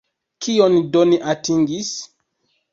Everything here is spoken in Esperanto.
Kion do ni atingis?